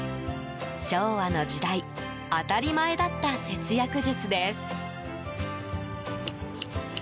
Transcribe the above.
昭和の時代当たり前だった節約術です。